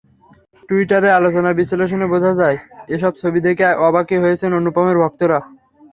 টুইটারের আলোচনা বিশ্লেষণে বোঝা যায়, এসব ছবি দেখে অবাকই হয়েছেন অনুপমের ভক্তরা।